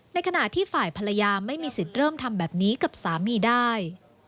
ในขณะที่ฝ่ายภรรยาไม่มีสิทธิ์เริ่มทำแบบนี้กับสามีได้